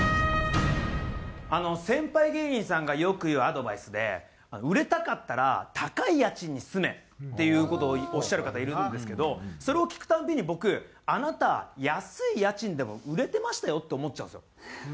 先輩芸人さんがよく言うアドバイスで売れたかったら高い家賃に住めっていう事をおっしゃる方いるんですけどそれを聞くたびに僕あなた安い家賃でも売れてましたよって思っちゃうんですよ。